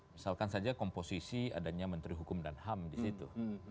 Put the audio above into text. misalkan saja komposisi adanya menteri hukum dan ham di situ